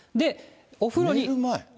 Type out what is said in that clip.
お風呂に。